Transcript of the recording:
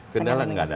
kendala nggak ada